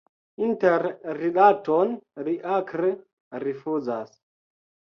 Interrilaton li akre rifuzas.